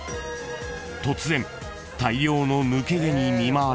［突然大量の抜け毛に見舞われた］